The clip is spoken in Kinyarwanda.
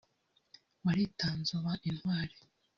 waritanze uba intwari